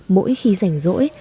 mỗi khi rảnh rỗi